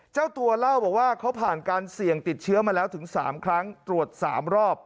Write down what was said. เจ้าตัวเล่าบอกว่าเขาผ่านการเสี่ยงติดเชื้อมาแล้วถึง๓ครั้งตรวจ๓รอบ